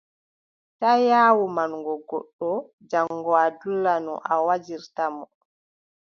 Taa yaawu manugo goɗɗo jaŋgo a dulla no a wajirta mo.